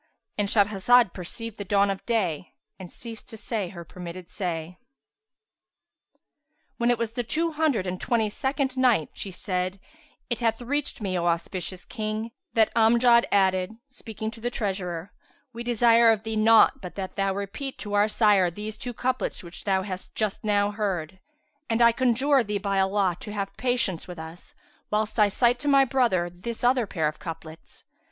"—And Shahrazad perceived the dawn of day and ceased to say her permitted say. When it was ad the Two Hundred and Twenty second Night, She said, It hath reached me, O auspicious King, that Amjad added, speaking to the treasurer, "We desire of thee naught but that thou repeat to our sire these two couplets which thou hast just now heard; and I conjure thee by Allah to have patience with us, whilst I cite to my brother this other pair of couplets."